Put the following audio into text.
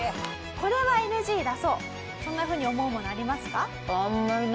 これはＮＧ出そうそんなふうに思うものありますか？